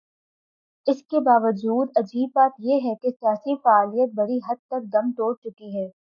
اس کے باوجود عجیب بات یہ ہے کہ سیاسی فعالیت بڑی حد تک دم توڑ چکی ہے۔